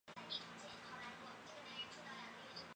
在交配季节时短角羚会变得非常好斗。